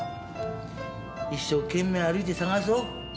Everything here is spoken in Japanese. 一生懸命歩いて捜そう。